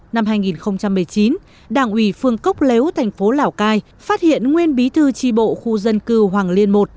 năm hai nghìn một mươi chín đảng ủy phương cốc lếu thành phố lào cai phát hiện nguyên bí thư tri bộ khu dân cư hoàng liên i